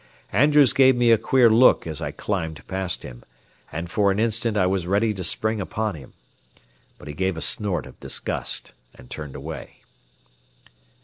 Andrews gave me a queer look as I climbed past him, and for an instant I was ready to spring upon him. But he gave a snort of disgust and turned away.